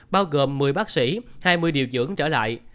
bao gồm một mươi bác sĩ hai mươi điều dưỡng trở lại